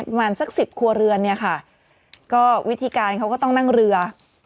ประมาณสักสิบครัวเรือนเนี่ยค่ะก็วิธีการเขาก็ต้องนั่งเรือ